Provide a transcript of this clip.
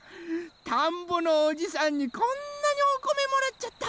たんぼのおじさんにこんなにおこめもらっちゃった！